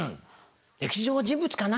歴史上の人物かな